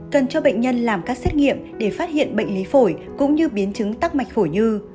cần cho bệnh nhân làm các xét nghiệm để phát hiện bệnh lý phổi cũng như biến chứng tắc mạch phổi như